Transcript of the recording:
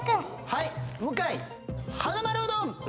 はい向井はなまるうどん！